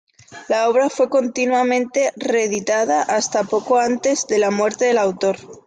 La obra fue continuamente reeditada hasta poco antes de la muerte del autor.